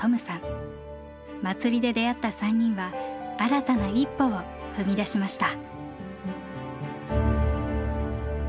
祭りで出会った３人は新たな一歩を踏み出しました。